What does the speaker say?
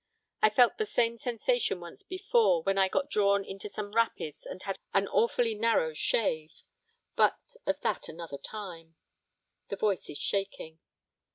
I felt the same sensation once before, when I got drawn into some rapids and had an awfully narrow shave, but of that another time. The voice is shaking.